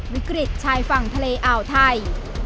วิกฤตชายฝั่งทะเลอ่าวไทย